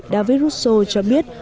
david russo cho biết